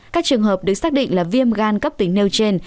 các trường hợp được xác định là viêm gan cấp tính nêu trên